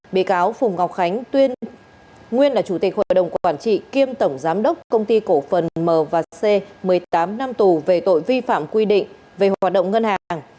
bị cáo phùng ngọc khánh tuyên nguyên là chủ tịch hội đồng quản trị kiêm tổng giám đốc công ty cổ phần m và c một mươi tám năm tù về tội vi phạm quy định về hoạt động ngân hàng